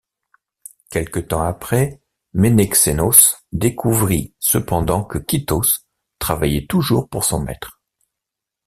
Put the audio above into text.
Quelque temps après, Ménexénos découvrit cependant que Kittos travaillait toujours pour son maître.